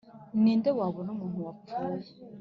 Ni nde wabona umuntu wapfuye